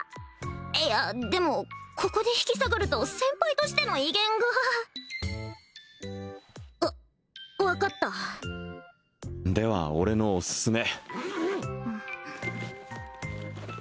いやでもここで引き下がると先輩としての威厳がわ分かったでは俺のオススメ